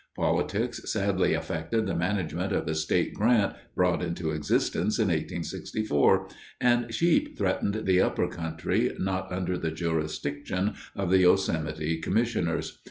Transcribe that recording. Politics sadly affected the management of the state grant (brought into existence in 1864), and sheep threatened the upper country not under the jurisdiction of the Yosemite commissioners.